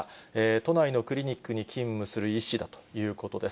都内のクリニックに勤務する医師だということです。